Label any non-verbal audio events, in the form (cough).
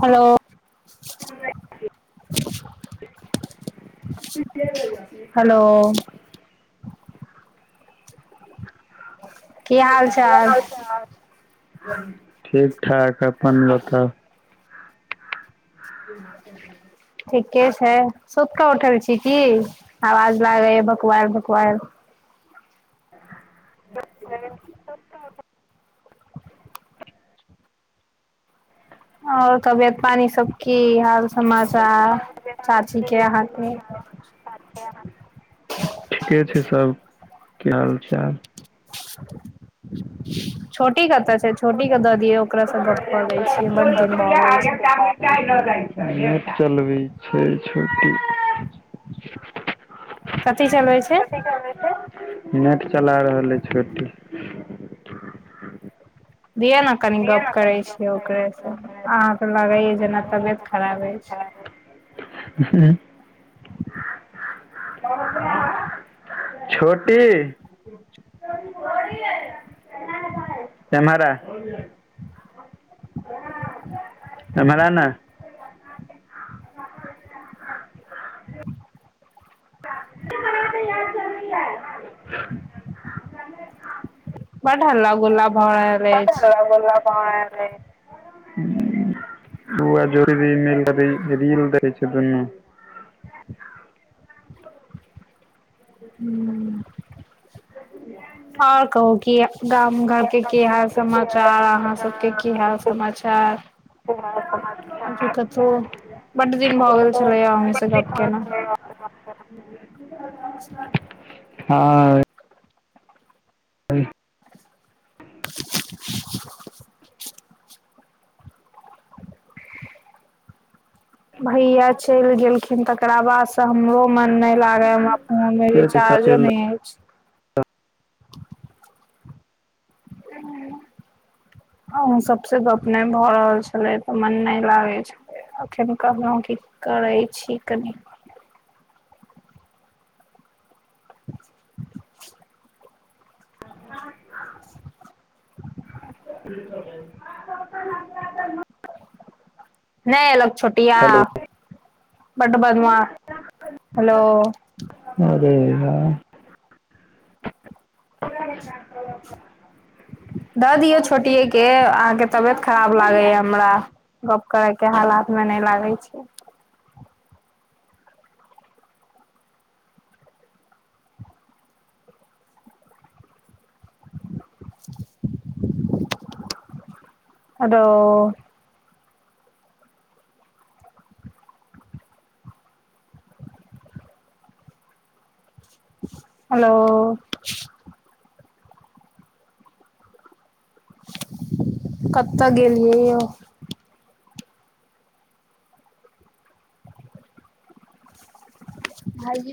Hello- (unintelligible) hello- की हाल कि चाल हाल चाल- ठीक -ठाक अप्पन बताउ? (unintelligible) ठीके छै, सुत केऽ उठल छी की? आवाज लागैया भकुऐल -भकुऐल। (unintelligible) और तबियत पानी सब की हाल? समाचार चाचीके, अहाँके? ठीके छै सब। के हाल- चाल। (unintelligible) छोटी कत्तऽ छै? छोटीके दऽ दियौ ओकरासँ गप्प कऽ लै छी बड्ड दिन भऽ गेल छै। नेट चलबै छै छोटी। कथि चलबै छै? (unintelligible) नेट चला रहल अइ छोटी। दिअ ने कनि गप करै छियै ओकरे स, अहाँके लगैया जेना तबियत खराब अइछ। (unintelligible) (unintelligible) छोटी (inaudible) एम्हर आ। एम्हर आ ने। (unintelligible) (unintelligible) बड्ड हल्ला -गुल्ला भ रहल अइछ। भोला बाहर रै छै। (unintelligible) रील देखै छै दुन्। नू ह्म, और कहुं कि गाम घर के की हाल समाचार अहां सबके की हाल समाचार? उहै त आजु कतो, बड्ड दिन भऽ गेल छलै अहों से गप केना। (unintelligible) अच्छा! हँ। ह (inaudible) (inaudible) भैया चलि गेलखिन, तकरा बाद तऽ हमरो मन न लागै यऽ, हमरा फोन मे छै सब चलि रिचार्जो नइ अछि। रहल ओ, अहु सबसे गप नइ भऽ रहल छलै, तऽ मन नइ लागै छलै। एखन कहलौं की करै छी, कनि (inaudible) ठ छै (inaudible) नइ एलौ छोटीया, हेलो बड्ड बदमाश हेलो! अरे यार! (inaudible) दऽ दियौ छोटियेके, अहाँके तबियत खराब लागैया हमरा। गप करे के हालात में नइ लागै छी। हलो! हलो! कतऽ गेलियै यौ। भाईजी!